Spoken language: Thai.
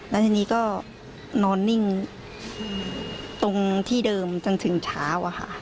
แล้วทีนี้ก็นอนนิ่งตรงที่เดิมจนถึงเช้าอะค่ะ